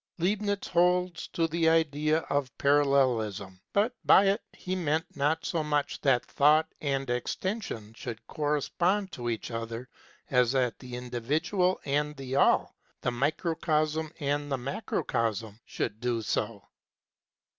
Leibniz holds to the idea of Parallelism, but by it he meant not so much that Thought and Extension should correspond to each other as that the individual and the All, the microcosm and the macrocosm, should do so.